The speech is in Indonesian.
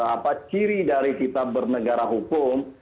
apa ciri dari kita bernegara hukum